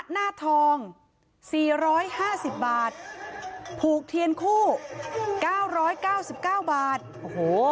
หน้าทองสี่ร้อยห้าสิบบาทผูกเทียนคู่เก้าร้อยเก้าสิบเก้าบาทโอ้โห